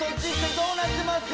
どうなってますか。